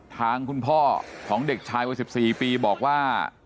ทางคุณพ่อของเด็กชายวัย๑๔ปีบอกว่า